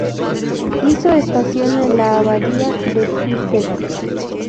Hizo estación en la Abadía del Císter.